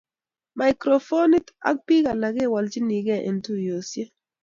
mikrofonit ak biik alak kiwolchinigei eng tuiyoshek